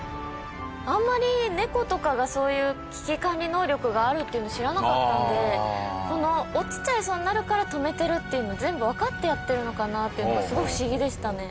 あんまり、猫とかが、そういう危機管理能力があるっていうの知らなかったんでこの落ちちゃいそうになるから止めてるっていうの全部わかってやってるのかなっていうのがすごい不思議でしたね。